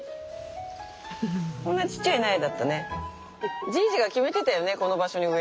こんなちっちゃい苗だったね。